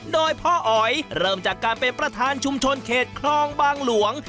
โดยพ่ออ๋อยเริ่มจากการเป็นประธานชุมชนเขตคลองบางหลวง